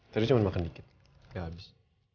tadi cuma makan dikit gak habis